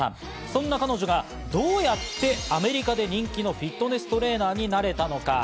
そんな彼女がどうやってアメリカで人気のフィットネストレーナーになれたのか？